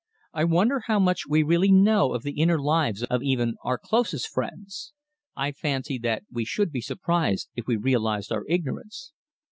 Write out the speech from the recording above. "I wonder how much we really know of the inner lives of even our closest friends? I fancy that we should be surprised if we realized our ignorance!"